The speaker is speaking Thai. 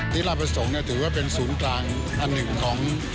ธิราบสนุกถือว่าเป็นศูนย์กลางอันหนึ่ง